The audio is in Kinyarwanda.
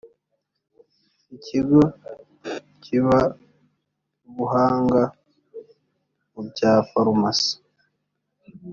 ikigo kibabuhanga mu bya farumasi